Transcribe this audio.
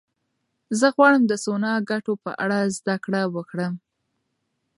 زه غواړم د سونا د ګټو په اړه زده کړه وکړم.